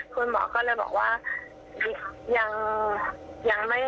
คุณหมอก็เลยบอกว่า